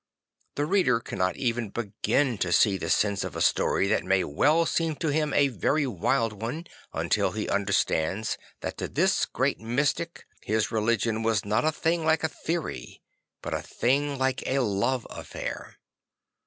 The reader cannot even begin to see the sense of a story that may well seem to him a very wild one, until he under stands that to this great mystic his religion 16 St. Francis of Assisi was not a thing like a theory but a thing like a love affair.